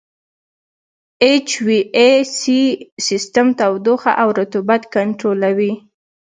اچ وي اې سي سیسټم تودوخه او رطوبت کنټرولوي.